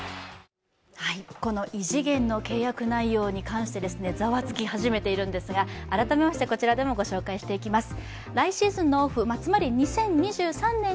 この異次元の契約内容に関してざわつき始めているんですが改めましてご紹介していきます。